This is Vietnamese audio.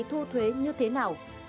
thu thuế như thế nào